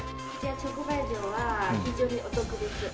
直売所は非常にお得です。